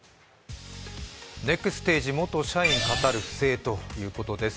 ネクステージ元社員語る不正ということです。